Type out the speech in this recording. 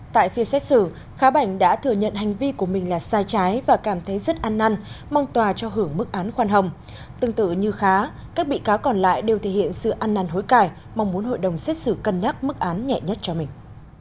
tại phiên xét xử khá bảnh đã thừa nhận hành vi của mình là sai trái và cảm thấy rất ăn năn mong tòa cho hưởng mức án khoan hồng tương tự như khá các bị cáo còn lại đều thể hiện sự ăn năn hối cài mong muốn hội đồng xét xử cân nhắc mức án nhẹ nhất cho mình